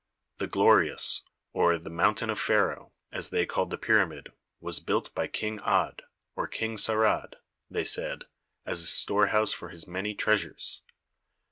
: The Glori ous," or "The Mountain of Pharaoh," as they called the pyramid, was built by King Ad, or King Saurad, they said, as a storehouse for his many treasures.